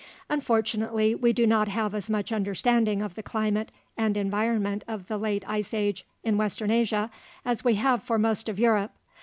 Unfortunately, we do not have as much understanding of the climate and environment of the late Ice Age in western Asia as we have for most of Europe.